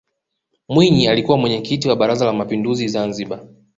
mwinyi alikuwa mwenyekiti wa baraza la mapinduzi zanzibar